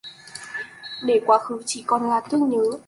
Để quá khứ chỉ còn là thương nhớ